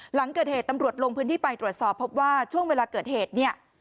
หลังเกิดเหตุตำรวจลงพื้นที่ไปตรวจสอบพบว่าช่วงเวลาเกิดเหตุเนี่ย